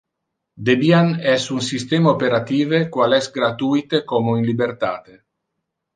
Debian es un systema operative qual es gratuite como in libertate.